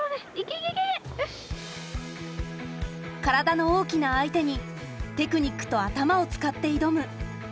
体の大きな相手にテクニックと頭を使って挑む